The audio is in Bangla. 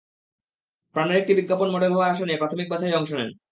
প্রাণের একটি বিজ্ঞাপনে মডেল হওয়ার আশা নিয়ে প্রাথমিক বাছাইয়ে অংশ নেন।